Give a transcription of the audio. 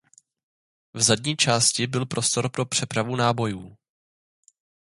V zadní části byl prostor pro přepravu nábojů.